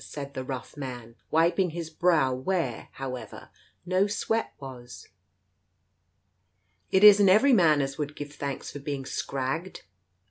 said the rough man, wiping his brow where, however, no sweat was. "It isn't every man as would give thanks for being scragged !